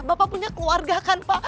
bapak punya keluarga kan pak